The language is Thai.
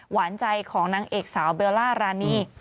หวานใจของนางเอกสาวเบลล่ารานี